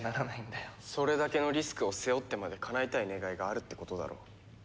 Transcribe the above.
それだけのリスクを背負ってまでかなえたい願いがあるってことだろ。